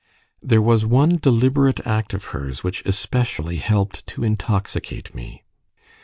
There was one deliberate act of hers which especially helped to intoxicate me.